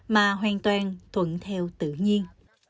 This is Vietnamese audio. mà hoàn toàn thuận theo tự nhiên